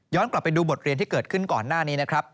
กลับไปดูบทเรียนที่เกิดขึ้นก่อนหน้านี้นะครับ